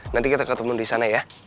nanti kita ketemu disana ya